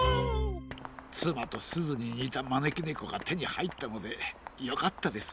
つまとすずににたまねきねこがてにはいったのでよかったです。